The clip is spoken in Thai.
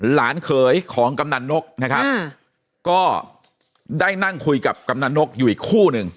หลานเขยของกำนันนกนะครับก็ได้นั่งคุยกับกำนันนกอยู่อีกคู่หนึ่ง